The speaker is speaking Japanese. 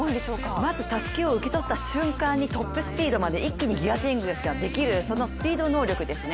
まずたすきを受け取った瞬間にトップスピードまで一気にギアチェンジができるそのスピード能力ですね。